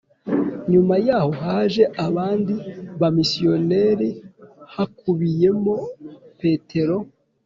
Nyuma yaho haje abandi bamisiyonari hakubiyemo Petero